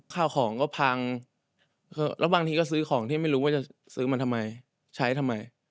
ข้าวของก็พังแล้วบางทีก็ซื้อของที่ไม่รู้ว่าจะซื้อมาทำไมใช้ทำไม